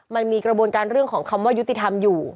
มันมีกระบวนการเรื่องของคำว่ายุติธรรมอยู่